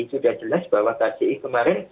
sudah jelas bahwa kci kemarin